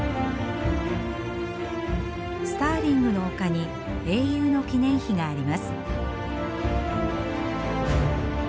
スターリングの丘に英雄の記念碑があります。